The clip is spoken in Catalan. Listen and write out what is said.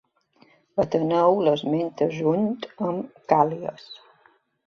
Ateneu l'esmenta junt amb Càl·lies.